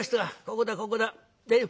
「ここだここだ。